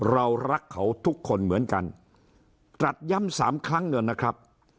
เรารักเขาทุกคนเหมือนกันตรัสย้ำสามครั้งเนี่ยนะครับ